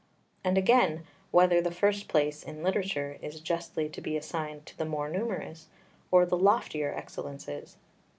and again, whether the first place in literature is justly to be assigned to the more numerous, or the loftier excellences?